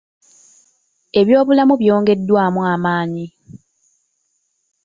Ebyobulamu byongeddwamu amaanyi.